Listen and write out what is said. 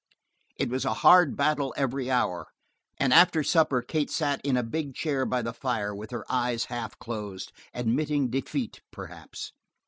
It was a hard battle every hour, and after supper Kate sat in a big chair by the fire with her eyes half closed, admitting defeat, perhaps.